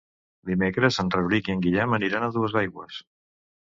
Dimecres en Rauric i en Guillem aniran a Duesaigües.